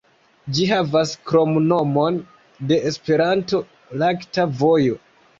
Ĝi havas kromnomon de Esperanto, "Lakta vojo".